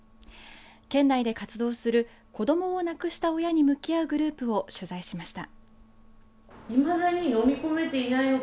県内で活動する子どもを亡くした親に向き合うグループを取材しました。